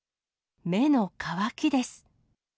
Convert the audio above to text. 目の乾きです。